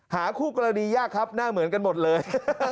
คู่กรณียากครับหน้าเหมือนกันหมดเลย